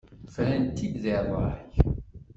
Frant-t-id deg ṛṛay.